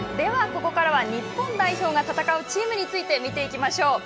ここからは、日本代表が戦うチームについて見ていきましょう。